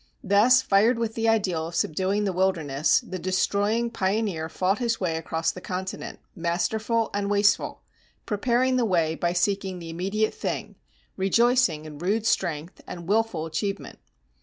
Thus, fired with the ideal of subduing the wilderness, the destroying pioneer fought his way across the continent, masterful and wasteful, preparing the way by seeking the immediate thing, rejoicing in rude strength and wilful achievement.